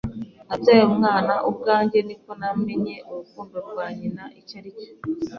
Nabyaye umwana ubwanjye nibwo namenye urukundo rwa nyina icyo aricyo.